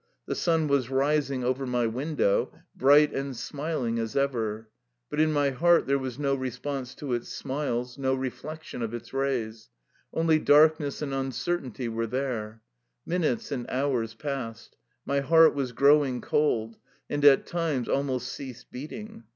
The sun was rising over my 201 THE LIFE STOEY OF A EUSSIAN EXILE window, bright and smiling as ever, but in my heart there was no response to its smiles, no reflection of its rays — only darkness and uncer tainty were there. Minutes and hours passed. My heart was growing cold, and at times almost ceased beating.